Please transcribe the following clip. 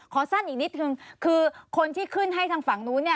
ขอสั้นอีกนิดหนึ่งคือคนที่ขึ้นให้ทางฝั่งนู้น